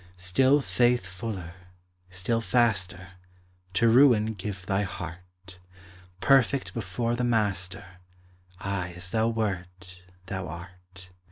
Still faith fuller, still faster, To ruin give thy heart: Perfect before the Master Aye as thou wert, thou art.